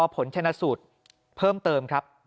ผลชนะสูตรเพิ่มเติมครับ